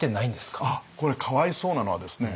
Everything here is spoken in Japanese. これかわいそうなのはですね